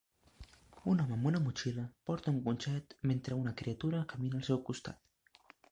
Un home amb una motxilla porta un cotxet mentre una criatura camina al seu costat.